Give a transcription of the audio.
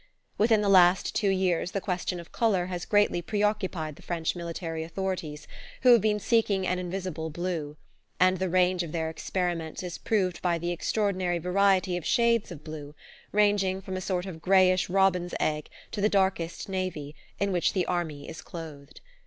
Within the last two years the question of colour has greatly preoccupied the French military authorities, who have been seeking an invisible blue; and the range of their experiments is proved by the extraordinary variety of shades of blue, ranging from a sort of greyish robin's egg to the darkest navy, in which the army is clothed.